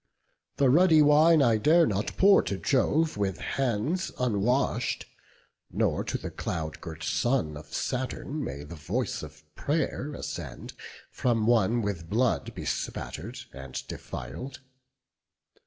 The ruddy wine I dare not pour to Jove With hands unwash'd; nor to the cloud girt son Of Saturn may the voice of pray'r ascend From one with blood bespatter'd and defil'd.